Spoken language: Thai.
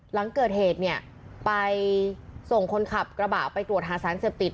หลังเกิดเหตุเนี่ยไปส่งคนขับกระบะไปตรวจหาสารเสพติด